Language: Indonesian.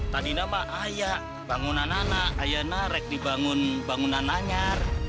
tadi nama ayah bangunan anak ayah narek dibangun bangunan nanyar